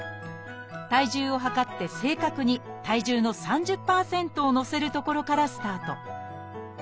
体重を量って正確に体重の３０％をのせるところからスタート